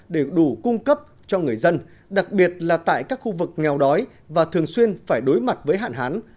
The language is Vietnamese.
để đủ cung cấp cho người dân đặc biệt là tại các khu vực nghèo đói và thường xuyên phải đối mặt với hạn hán